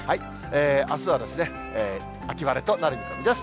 あすは秋晴れとなる見込みです。